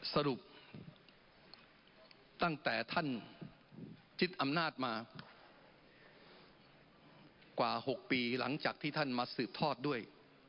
สรุปตั้งแต่ท่านยึดอำนาจมากกว่า๖ปีหลังจากที่ท่านมาสืบทอดด้วย